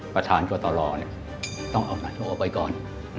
ประธานกฎรอต้องเอาหน่ายก่อน